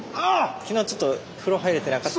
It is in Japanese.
昨日ちょっと風呂入れてなかった。